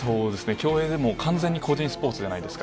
競泳ってもう完全に個人スポーツじゃないですか。